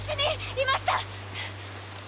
いました！